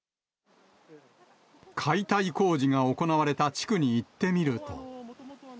解体工事が行われた地区に行ってみると。